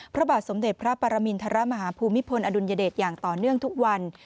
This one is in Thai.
พระบาทสมเด็จพระปรมินทรมาฮภูมิพลอดุลยเดชอย่างต่อเนื่องทุกวัน